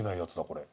これ。